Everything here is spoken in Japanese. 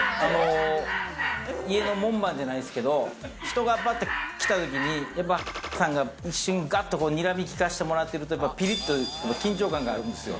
家の門番じゃないですけど、人がバッて来たときにさんが一瞬ガッてにらみ聞かしてもらってると、やっぱピリッと緊張感があるんですよ。